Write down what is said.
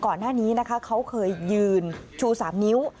ก่อนหน้านี้นะคะเขาเคยยืนชู๓นิ้ว